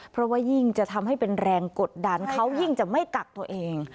เพราะว่ายิ่งจะทำให้เป็นแรงกดดันเขายิ่งจะไม่กักตัวเอง